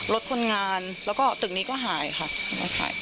รถคนงานแล้วก็ตึกนี้ก็หายค่ะ